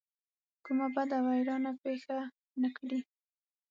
کومه بده ویرانه پېښه نه کړي.